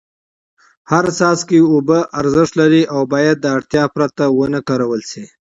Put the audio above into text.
هر څاڅکی اوبه ارزښت لري او باید د اړتیا پرته ونه کارول سي.